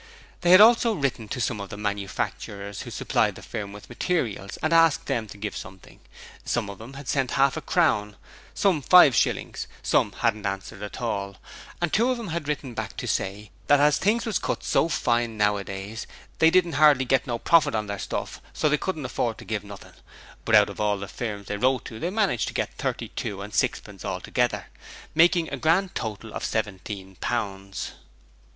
They had also written to some of the manufacturers who supplied the firm with materials, and asked them to give something: some of 'em had sent half a crown, some five shillings, some hadn't answered at all, and two of 'em had written back to say that as things is cut so fine nowadays, they didn't hardly get no profit on their stuff, so they couldn't afford to give nothing; but out of all the firms they wrote to they managed to get thirty two and sixpence altogether, making a grand total of seventeen pounds.